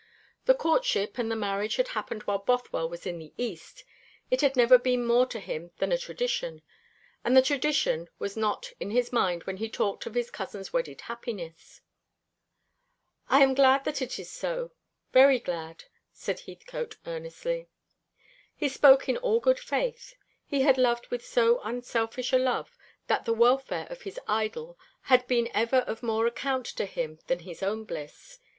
The courtship and the marriage had happened while Bothwell was in the East. It had never been more to him than a tradition; and the tradition was not in his mind when he talked of his cousin's wedded happiness. "I am glad that it is so, very glad," said Heathcote earnestly. He spoke in all good faith. He had loved with so unselfish a love that the welfare of his idol had been ever of more account to him than his own bliss.